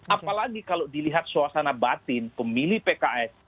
apalagi kalau dilihat suasana batin pemilih pks